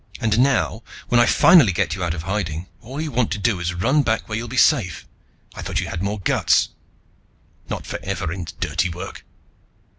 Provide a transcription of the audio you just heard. And now, when I finally get you out of hiding, all you want to do is run back where you'll be safe! I thought you had more guts!" "Not for Evarin's dirty work!"